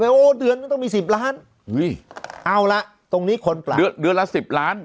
โอ้เดือนมันต้องมีสิบล้านอุ้ยเอาละตรงนี้คนปรับเดือนเดือนละสิบล้าน